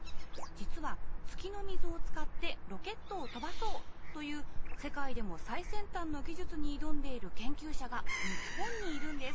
実は月の水を使ってロケットを飛ばそうという世界でも最先端の技術に挑んでいる研究者が日本にいるんです。